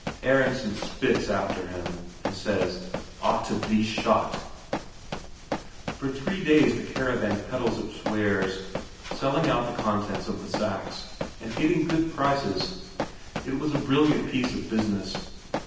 Aronsen spits after him, and says: "Ought to be shot!" For three days the caravan peddles its wares, selling out the contents of the sacks, and getting good prices. It was a brilliant piece of business.